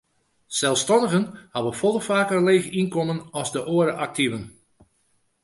Selsstannigen hawwe folle faker in leech ynkommen as de oare aktiven.